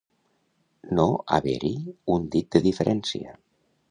No haver-hi un dit de diferència.